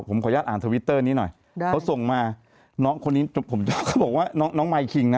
ผมขออนุญาตอ่านทวิตเตอร์นี้หน่อยเขาส่งมาน้องไมค์คิงนะ